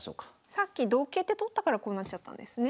さっき同桂って取ったからこうなっちゃったんですね。